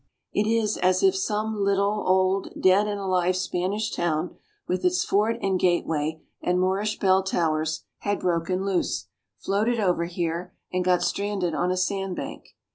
It is as if some little, old, dead and alive Spanish town, with its fort and gateway and Moorish bell towers, had broken loose, floated over here, and got stranded on a sand bank.